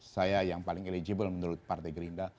saya yang paling eligible menurut partai gerindra